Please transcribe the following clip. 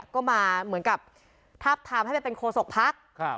ก็มาเหมือนกับทับทามให้เป็นโฆษกพรรค